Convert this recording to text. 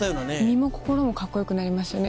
身も心もカッコよくなりましたよね。